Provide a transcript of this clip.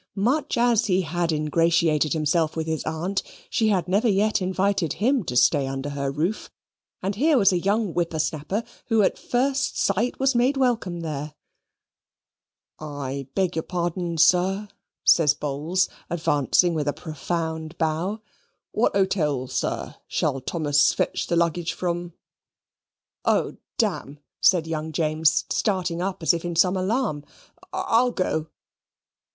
Much as he had ingratiated himself with his aunt, she had never yet invited him to stay under her roof, and here was a young whipper snapper, who at first sight was made welcome there. "I beg your pardon, sir," says Bowls, advancing with a profound bow; "what 'otel, sir, shall Thomas fetch the luggage from?" "O, dam," said young James, starting up, as if in some alarm, "I'll go."